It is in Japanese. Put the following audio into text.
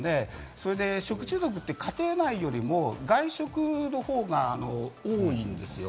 それで食中毒って家庭内よりも外食の方が多いんですよ。